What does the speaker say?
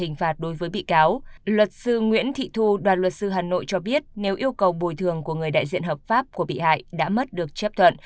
nguyễn thị thu đoàn luật sư hà nội cho biết nếu yêu cầu bồi thường của người đại diện hợp pháp của bị hại đã mất được chép thuận